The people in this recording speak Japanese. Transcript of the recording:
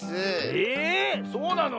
えそうなの？